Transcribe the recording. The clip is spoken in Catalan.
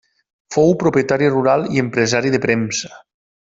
Fou propietari rural i empresari de premsa.